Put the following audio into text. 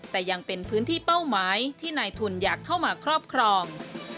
แต่ยังเป็นพื้นที่เป้าหมายที่นายทุนอยากเข้ามาครอบครอง